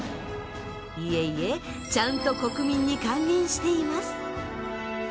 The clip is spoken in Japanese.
いえいえちゃんと国民に還元しています。